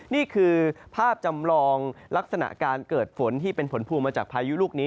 นี่คือภาพจำลองลักษณะการเกิดฝนที่เป็นผลพวงมาจากพายุลูกนี้